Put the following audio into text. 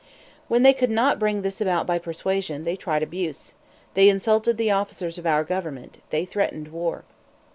When they could not bring this about by persuasion, they tried abuse. They insulted the officers of our government; they threatened war.